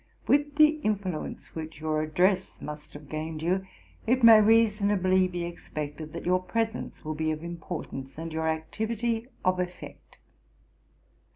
With the influence which your Address must have gained you, it may reasonably be expected that your presence will be of importance, and your activity of effect.